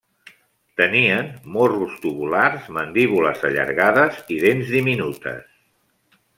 Tenien morros tubulars, mandíbules allargades i dents diminutes.